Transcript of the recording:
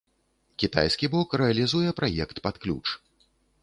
Кітайскі бок рэалізуе праект пад ключ.